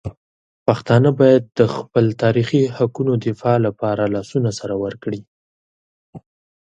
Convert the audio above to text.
پښتانه باید د خپل تاریخي حقونو دفاع لپاره لاسونه سره ورکړي.